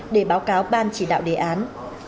để báo cáo ban chỉ đạo đề án